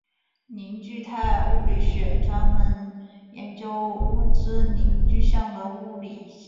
凝聚态物理学专门研究物质凝聚相的物理性质。